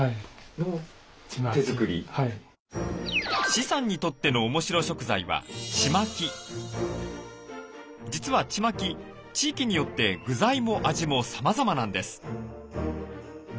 施さんにとってのおもしろ食材は実はチマキ地域によって具材も味もさまざまなんです。